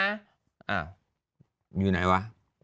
อ้าวอยู่ไหนวะ